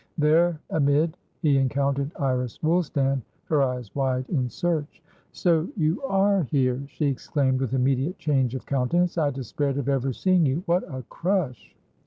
There amid, he encountered Iris Woolstan, her eyes wide in search. "So you are here!" she exclaimed, with immediate change of countenance. "I despaired of ever seeing you. What a crush!"